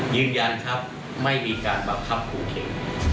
ยืนยันครับไม่มีการบังคับขู่เข็น